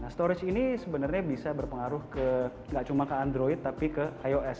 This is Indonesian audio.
storage ini sebenarnya bisa berpengaruh ke nggak cuma ke android tapi ke ios